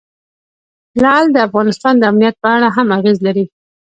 لعل د افغانستان د امنیت په اړه هم اغېز لري.